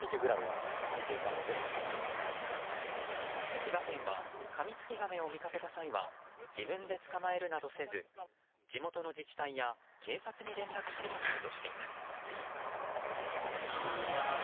千葉県はカミツキガメを見かけた際は自分で捕まえるなどせず地元の自治体や警察に連絡してほしいとしています。